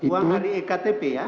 uang dari ektp ya